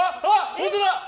本当だ。